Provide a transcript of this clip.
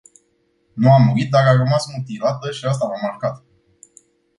Nu a murit, dar a rămas mutilată și asta m-a marcat.